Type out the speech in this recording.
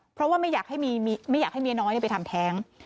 เพราะว่าไม่อยากให้เมียน้อยไปทำแท้ง